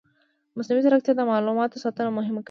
مصنوعي ځیرکتیا د معلوماتو ساتنه مهمه کوي.